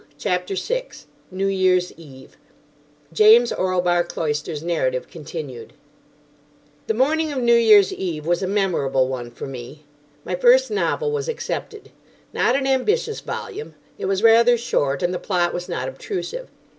CHAPTER 6 NEW YEAR'S EVE (James Orlebar Cloyster's narrative continued) The morning of New Year's Eve was a memorable one for me. My first novel was accepted. Not an ambitious volume. It was rather short, and the plot was not obtrusive.